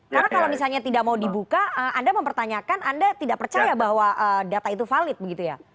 karena kalau misalnya tidak mau dibuka anda mempertanyakan anda tidak percaya bahwa data itu valid begitu ya